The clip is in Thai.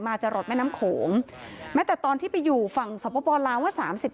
จะหลดแม่น้ำโขงแม้แต่ตอนที่ไปอยู่ฝั่งสปลาวเมื่อ๓๔